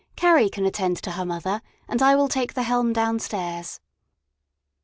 Carrie can attend to her mother, and I will take the helm downstairs."